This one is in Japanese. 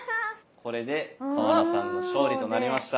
これで川名さんの勝利となりました。